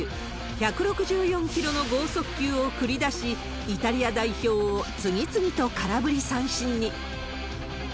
１６４キロの剛速球を繰り出し、イタリア代表を次々と空振り三振に。